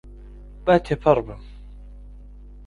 با تێپەڕبم.